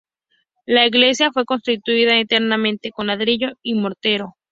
La iglesia fue construida enteramente con ladrillo y mortero.